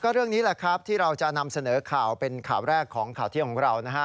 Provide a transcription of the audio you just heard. เรื่องนี้แหละครับที่เราจะนำเสนอข่าวเป็นข่าวแรกของข่าวเที่ยงของเรานะฮะ